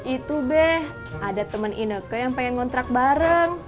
itu be ada temen ineke yang pengen kontrak bareng